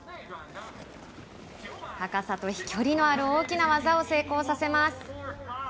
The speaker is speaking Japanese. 高さと飛距離のある大きな技を成功させます。